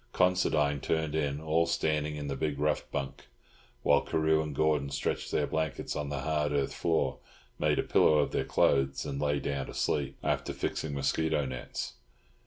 Considine turned in all standing in the big rough bunk, while Carew and Gordon stretched their blankets on the hard earth floor, made a pillow of their clothes, and lay down to sleep, after fixing mosquito nets.